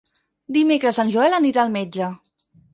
Dimecres en Joel anirà al metge.